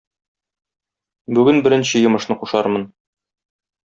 Бүген беренче йомышны кушармын.